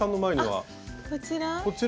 あこちら？